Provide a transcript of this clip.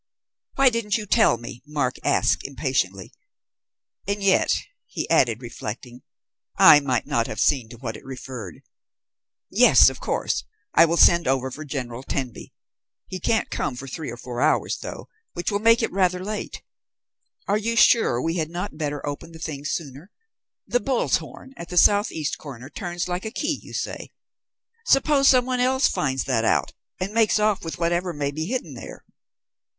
"Why didn't you tell me?" Mark asked impatiently. "And yet," he added reflecting, "I might not have seen to what it referred. Yes, of course I will send over for General Tenby. He can't come for three or four hours, though, which will make it rather late. Are you sure we had not better open the thing sooner? The bull's horn at the south east corner turns like a key, you say? Suppose some one else finds that out and makes off with whatever may be hidden there."